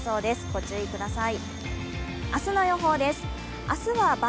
ご注意ください。